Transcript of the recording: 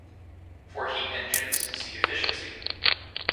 For heat engines, see Efficiency.